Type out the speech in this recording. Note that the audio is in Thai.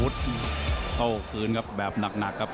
โต้คืนครับแบบหนัก